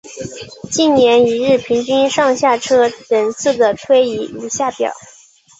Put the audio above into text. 近年一日平均上下车人次的推移如下表。